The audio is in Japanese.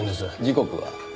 時刻は？